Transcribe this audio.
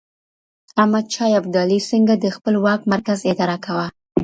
احمد شاه ابدالي څنګه د خپل واک مرکز اداره کاوه؟